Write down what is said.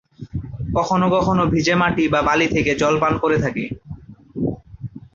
কখনও কখনও ভিজে মাটি বা বালি থেকে জল পান করে থাকে।